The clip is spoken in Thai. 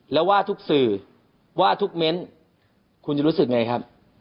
แล้วว่าทุกสื่อว่าทุกเม้นคุณจะรู้สึกไงครับ